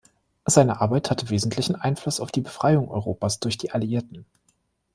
Seine Arbeit hatte wesentlichen Einfluss auf die Befreiung Europas durch die Alliierten.